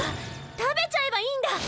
食べちゃえばいいんだ！